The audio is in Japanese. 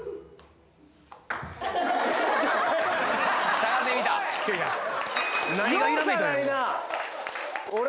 しゃがんでみたおい！